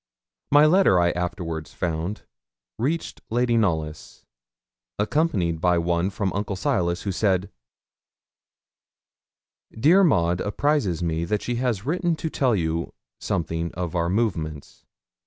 My letter, I afterwards found, reached Lady Knollys, accompanied by one from Uncle Silas, who said 'Dear Maud apprises me that she has written to tell you something of our movements.